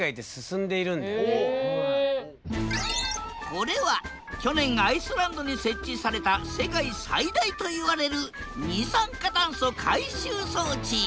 これは去年アイスランドに設置された世界最大といわれる二酸化炭素回収装置。